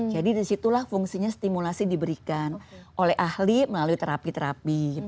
jadi disitulah fungsinya stimulasi diberikan oleh ahli melalui terapi terapi